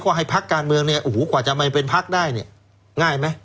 ก็ให้พักการเมืองเนี่ยโอ้โหกว่าจะมาเป็นพักได้เนี่ยง่ายไหม